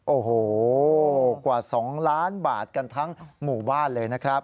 โอ้โหกว่า๒ล้านบาทกันทั้งหมู่บ้านเลยนะครับ